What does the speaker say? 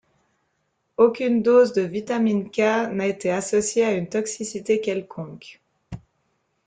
Aucune dose de vitamine K n'a été associée à une toxicité quelconque.